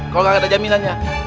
kalau gak ada jaminannya